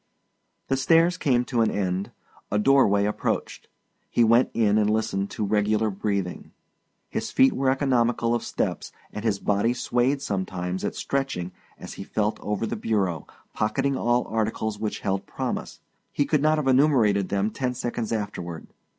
The stairs came to an end, a doorway approached; he went in and listened to regular breathing. His feet were economical of steps and his body swayed sometimes at stretching as he felt over the bureau, pocketing all articles which held promise he could not have enumerated them ten seconds afterward.